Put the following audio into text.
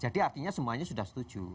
jadi artinya semuanya sudah setuju